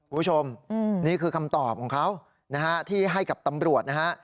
คุณผู้ชมนี่คือคำตอบของเขานะฮะที่ให้กับตำรวจนะฮะ